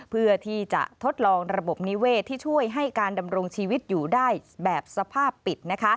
เพื่อที่จะทดลองระบบนิเวศที่ช่วยให้การดำรงชีวิตอยู่ได้แบบสภาพปิด